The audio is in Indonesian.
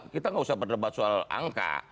kita nggak usah berdebat soal angka